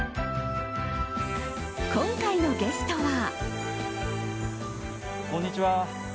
今回のゲストは。